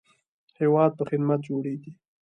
هیواد په خدمت جوړیږي